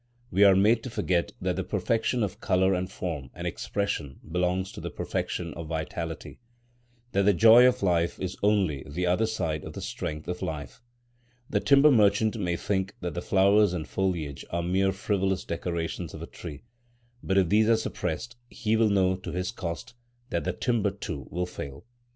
We are made to forget that the perfection of colour and form and expression belongs to the perfection of vitality,—that the joy of life is only the other side of the strength of life. The timber merchant may think that the flowers and foliage are mere frivolous decorations of a tree; but if these are suppressed, he will know to his cost that the timber too will fail.